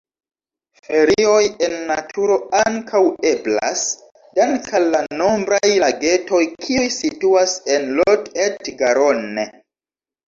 Ferioj en naturo ankaŭ eblas, dank'al la nombraj lagetoj kiuj situas en Lot-et-Garonne.